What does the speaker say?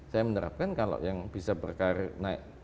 saya menerapkan kalau yang bisa berkarir naik